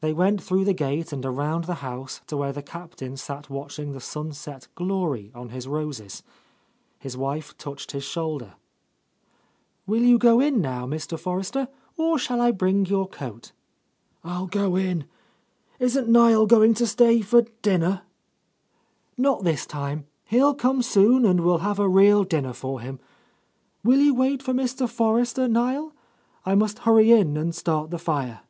They went through the gate and around the house to where the Captain sat watching the sunset glory on his roses. His wife touched his shoulder. "Will you go in, now, Mr. Forrester, or shall I bring your coat?" A Lost Lady "I'll go in. Isn't Niel going to stay for dinner?" "Not this time. He'll come soon, and we'll have a real dinner for him. Will you wait for Mr. Forrester, Niel? I must hurry in and start the fire."